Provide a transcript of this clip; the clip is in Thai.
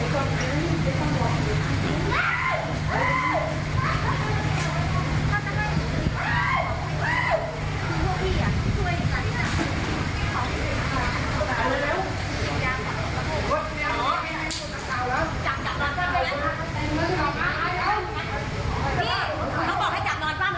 อยากมาก็อำนวยตังคุณพุทธยา